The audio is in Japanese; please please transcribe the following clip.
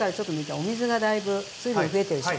お水がだいぶ水分増えてるでしょ？